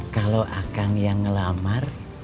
kalau akan yang ngelamar